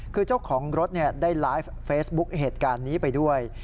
คือเจ้าของรถได้ไลฟ์เฟซบุ๊กเหตุการณ์นี้ไปด้วย